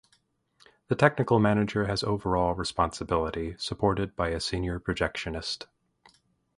The Technical Manager has overall responsibility, supported by a Senior Projectionist.